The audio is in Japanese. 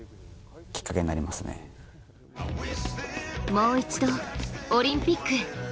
もう一度オリンピックへ。